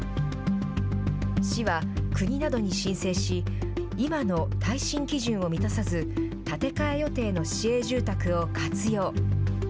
市は国などに申請し、今の耐震基準を満たさず、建て替え予定の市営住宅を活用。